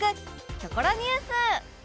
キョコロニュース